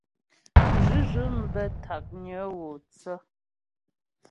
Zhʉ́zhʉ̂m bə́ ntǎknyə gho thə.